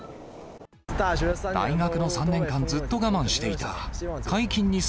大学の３年間、ずっと我慢していた。